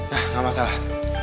nah gak masalah